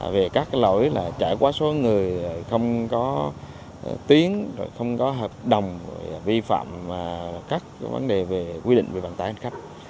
về các lỗi trải qua số người không có tuyến không có hợp đồng vi phạm các quy định về bàn tải hành khách